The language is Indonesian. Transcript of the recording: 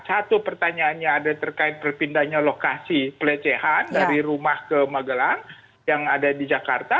satu pertanyaannya ada terkait perpindahnya lokasi pelecehan dari rumah ke magelang yang ada di jakarta